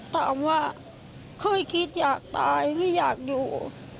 ถามว่าเคยคิดอยากตายไม่อยากอยู่